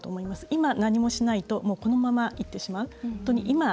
今、何もしないとこのままいってしまう。